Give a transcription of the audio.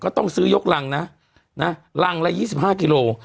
ก็ต้องซื้อยกรังนะนะรังละยี่สิบห้ากิโล